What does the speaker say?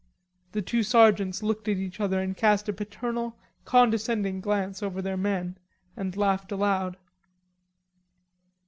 The two sergeants looked at each other and cast a paternal, condescending glance over their men and laughed aloud.